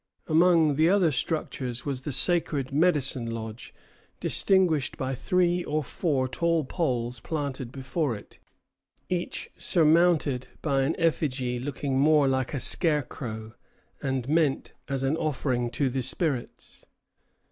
Among the other structures was the sacred "medicine lodge" distinguished by three or four tall poles planted before it, each surmounted by an effigy looking much like a scarecrow, and meant as an offering to the spirits.